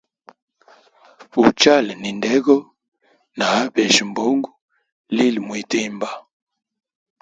Uchala ni ndego mwibalo na abejya mbungu lili mwitimba.